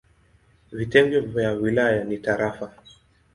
Vitengo vya wilaya ni tarafa.